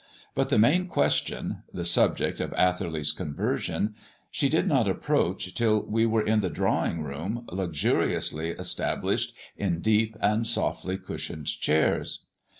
But the main question the subject of Atherley's conversion she did not approach till we were in the drawing room, luxuriously established in deep and softly cushioned chairs.